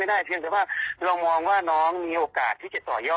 คิดไว้ทำไว้แล้วก็อยู่ในทีมที่